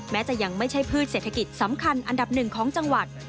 แม้จะยังไม่ใช่พืชเศรษฐกิจสำคัญอันดับหนึ่งของจังหวัด